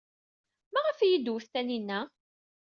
Maɣef ay iyi-d-twet Taninna?